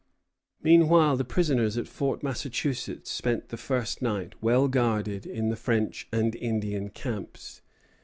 Meanwhile, the prisoners at Fort Massachusetts spent the first night, well guarded, in the French and Indian camps.